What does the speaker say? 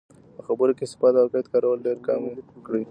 په خبرو کې صفت او قید کارول ډېرکم کړئ.